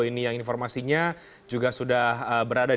ini yang informasinya juga sudah berantakan